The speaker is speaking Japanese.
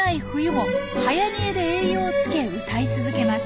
もはやにえで栄養をつけ歌い続けます。